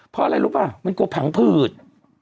เพราะอะไรรู้ป่ะมันกลัวผังผืด